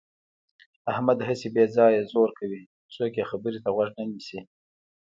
احمد هسې بې ځایه زور کوي. څوک یې خبرې ته غوږ نه نیسي.